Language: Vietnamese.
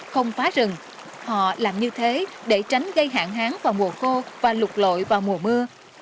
không phá rừng họ làm như thế để tránh gây hạn hán vào mùa khô và lục lội vào mùa mưa